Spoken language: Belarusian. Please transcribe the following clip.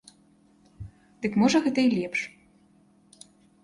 Дык можа гэта і лепш.